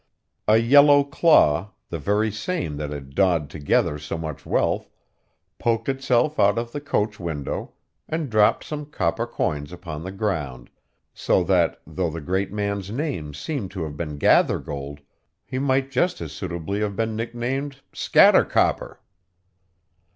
A yellow claw the very same that had dawed together so much wealth poked itself out of the coach window, and dropt some copper coins upon the ground; so that, though the great man's name seems to have been Gathergold, he might just as suitably have been nicknamed Scattercopper.